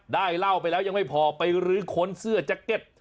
ได้เหล้าไปแล้วยังไม่พอไปหรือขนเสื้อแจ๊กเก็ต